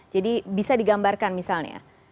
jadi bisa digambarkan misalnya